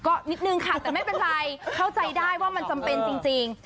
ก็นิดนึงค่ะแต่ไม่เป็นไรเข้าใจได้ว่ามันจำเป็นจริง